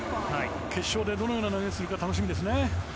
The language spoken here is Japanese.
決勝で、どのような投げをするか楽しみですね。